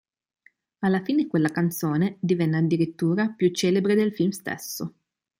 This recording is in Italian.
Alla fine quella canzone divenne addirittura più celebre del film stesso.